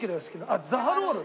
あっザバロール。